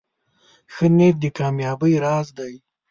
ښه نیت د کامیابۍ راز دی.